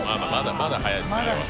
まだ早いですね。